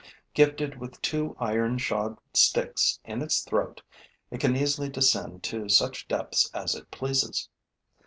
Gifted with two iron shod sticks in its throat, it can easily descend to such depths as it pleases.